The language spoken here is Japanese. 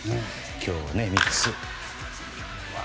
今日は３つ。